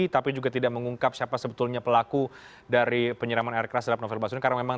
tapi juga tidak mengungkap siapa sebetulnya pelaku dari penyeraman air keras dalam novel basun